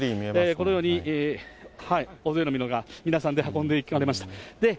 このように、大勢の皆さんで運んでいかれました。